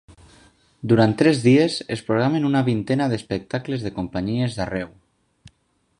Durant tres dies, es programen una vintena d’espectacles de companyies d’arreu.